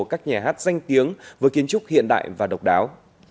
các nhà hát danh tiếng với kiến trúc hiện đại và độc đáo